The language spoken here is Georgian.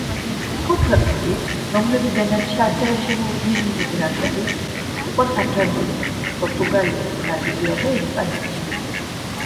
სხვა ქვეყნები, რომლებიდანაც ასევე შემოვიდნენ იმიგრანტები, იყო საფრანგეთი, პორტუგალია, ბრაზილია და ესპანეთი.